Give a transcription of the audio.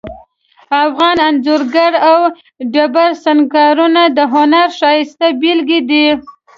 افغان انځورګری او ډبرو سنګارونه د هنر ښایسته بیلګې دي